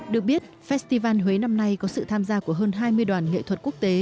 được biết festival huế năm nay có sự tham gia của hơn hai mươi đoàn nghệ thuật quốc tế